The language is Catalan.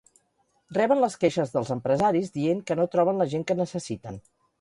Reben les queixes dels empresaris dient que no troben la gent que necessiten.